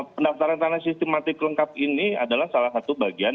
pendaftaran tanah sistematik lengkap ini adalah salah satu bagian